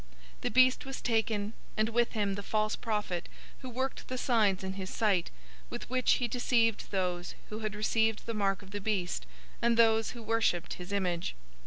019:020 The beast was taken, and with him the false prophet who worked the signs in his sight, with which he deceived those who had received the mark of the beast and those who worshiped his image.